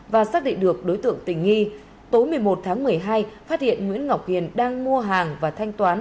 và xác định được đối tượng tình nghi tối một mươi một tháng một mươi hai phát hiện nguyễn ngọc hiền đang mua hàng và thanh toán